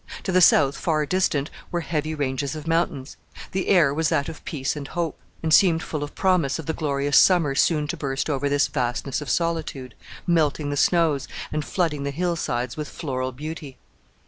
To the south, far distant, were heavy ranges of mountains. The air was that of peace and hope, and seemed full of promise of the glorious summer soon to burst over this vastness of solitude, melting the snows, and flooding the hillsides with floral beauty.